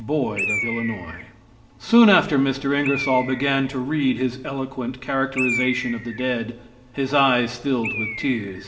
Boyd of Illinois. Soon after Mr. Ingersoll began to read his eloquent characterization of the dead, his eyes filled with tears.